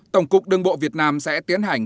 tổng cục đương bộ việt nam sẽ tiến hành